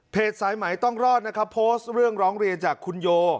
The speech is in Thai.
สายไหมต้องรอดนะครับโพสต์เรื่องร้องเรียนจากคุณโย